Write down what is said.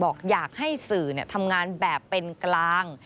บอกอยากให้สื่อทำงานแบบเป็นกลาง